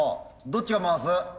どっちが回す？